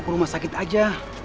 ke rumah sakit aja